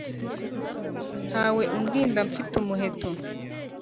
Nta we undinda mfite umuheto,